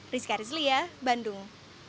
rizka rizlia bandung